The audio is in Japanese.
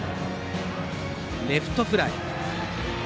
レフトフライ。